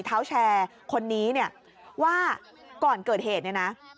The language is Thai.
เท้าแชร์คนนี้เนี่ยว่าก่อนเกิดเหตุเนี่ยนะ